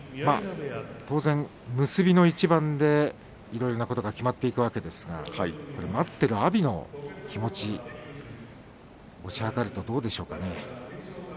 当然、結びの一番でいろいろなことが決まっていくわけですが待っている阿炎の気持ち、推し量るとどうでしょうかね。